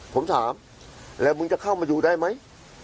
ผมถามแล้วมึงจะเข้ามาอยู่ได้ไหม